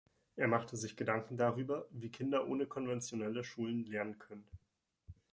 Er machte sich Gedanken darüber, wie Kinder ohne konventionelle Schulen lernen können.